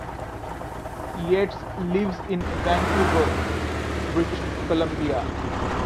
Yates lives in Vancouver, British Columbia.